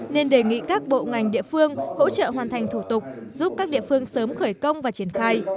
nên đề nghị các bộ ngành địa phương hỗ trợ hoàn thành thủ tục giúp các địa phương sớm khởi công và triển khai